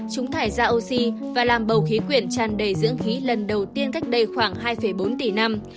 chúng thải ra oxy và làm bầu khí quyển tràn đầy dưỡng khí lần đầu tiên cách đây khoảng hai bốn tỷ năm